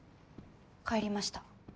帰りました。